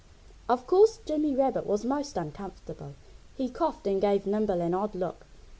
Of course Jimmy Rabbit was most uncomfortable. He coughed and gave Nimble an odd look.